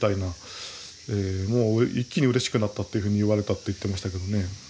「もう一気にうれしくなったというふうに言われた」って言ってましたけどね。